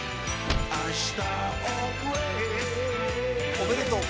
おめでとう。